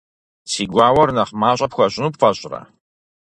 Си гуауэр нэхъ мащӏэ пхуэщӏыну пфӏэщӏрэ?